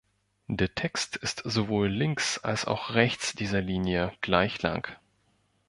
Der Text ist sowohl links als auch rechts dieser Linie gleich lang.